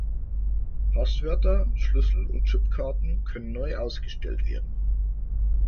Passwörter, Schlüssel und Chipkarten können neu ausgestellt werden.